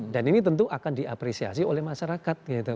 dan ini tentu akan diapresiasi oleh masyarakat gitu